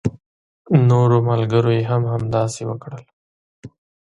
نورو ملګرو يې هم همداسې وکړل.